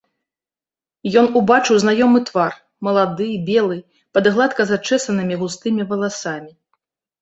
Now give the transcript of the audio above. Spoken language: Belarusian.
Ён убачыў знаёмы твар, малады, белы, пад гладка зачэсанымі густымі валасамі.